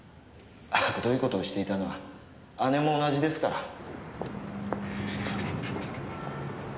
あくどい事をしていたのは姉も同じですから。